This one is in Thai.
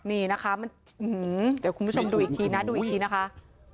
นี่นะคะมันเดี๋ยวคุณผู้ชมดูอีกทีนะดูอีกทีนะคะ